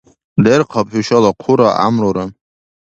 Дерхъаб хӀушала хъура гӀямрура!